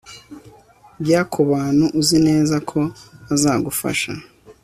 Jya kubantu uzi neza ko bazagufasha